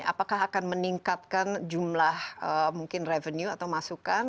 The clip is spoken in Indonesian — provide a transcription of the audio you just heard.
apakah akan meningkatkan jumlah mungkin revenue atau masukan